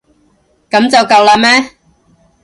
噉就夠喇咩？